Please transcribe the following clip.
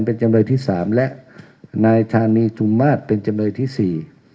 เป็นจำเลยที่สามและนายธานีทุมมาตรเป็นจำเลยที่สี่